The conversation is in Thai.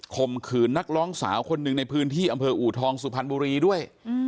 มขืนนักร้องสาวคนหนึ่งในพื้นที่อำเภออูทองสุพรรณบุรีด้วย